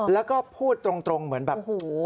แล้วก็พูดตรงเหมือนแบบโอ้โห